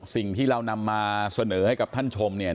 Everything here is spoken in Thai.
สิ่งที่เรานำมาเสนอให้กับท่านชมเนี่ย